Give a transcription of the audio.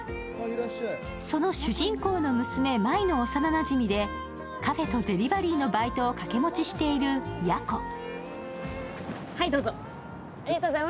その主人公の娘、麻衣の幼なじみでカフェとデリバリーのバイトを掛け持ちしているヤコ。